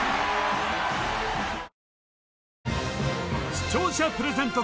視聴者プレゼント